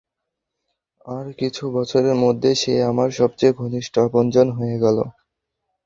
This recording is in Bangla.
আর কিছু বছরের মধ্যে সে আমার সবচেয়ে ঘনিষ্ঠ আপনজন হয়ে গেলো।